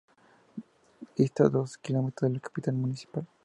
Dista dos kilómetros de la capital municipal.